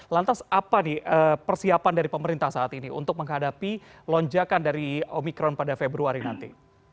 lantas apa nih persiapan dari pemerintah saat ini untuk menghadapi lonjakan dari omikron pada februari nanti